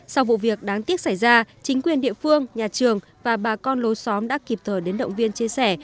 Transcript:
sau vụ việc đáng tiếc xảy ra chính quyền địa phương nhà trường và bà con lối xóm đã kịp thời đến động viên chia sẻ